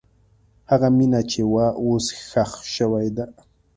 هغه مینه چې وه، اوس ښخ شوې ده.